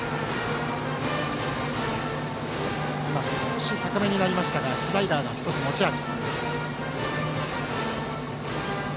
少し高めになりましたがスライダーが１つ持ち味。